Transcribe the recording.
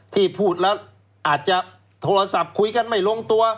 ที่พูดแล้วอาจจะโทรศัพท์คุยกันไม่ลงตัว